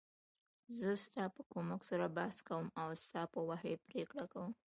زه ستا په کومک سره بحث کوم او ستا په وحی پریکړه کوم .